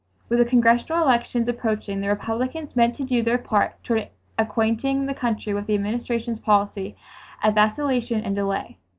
With the Congressional elections approaching the Republicans meant to do their part toward acquainting the country with the Administration's policy of vacillation and delay.